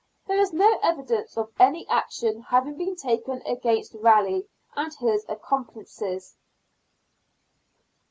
There is no evidence of any action having been taken against Raleigh and his accomplices.